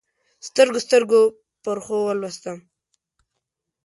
سترګو، سترګو پرخو ولوستم